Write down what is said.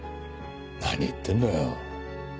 何言ってんだよ。